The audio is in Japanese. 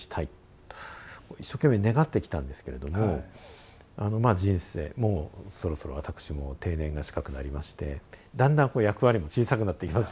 一生懸命願ってきたんですけれども人生もうそろそろ私も定年が近くなりましてだんだんこう役割も小さくなっていきますよね。